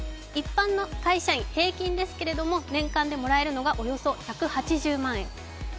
一般の会社員、平均ですけど、年間でもらえるのがおよそ１８０万円。